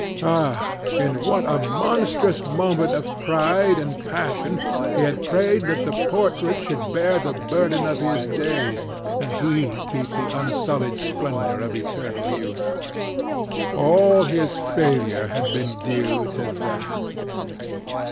Ah! in what a monstrous moment of pride and passion he had prayed that the portrait should bear the burden of his days, and he keep the unsullied splendour of eternal youth! All his failure had been due to that.